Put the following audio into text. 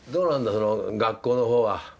その学校の方は。